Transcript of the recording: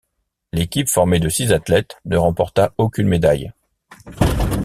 L'équipe, formée de six athlètes, ne remporta aucune médaille.